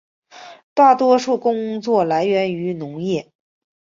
大多数工作来源为农业。